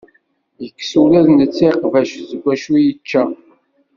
Yekkes ula d netta iqbac deg wacu i yečča.